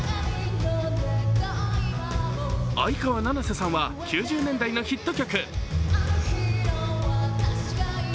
相川七瀬さんは９０年代のヒット曲。